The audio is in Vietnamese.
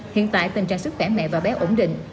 hiện tại tình trạng sức khỏe mẹ và bé ổn định